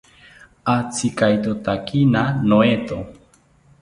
Atzikaitotakina noeto